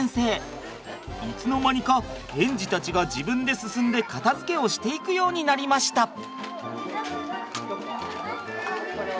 いつの間にか園児たちが自分で進んで片づけをしていくようになりました。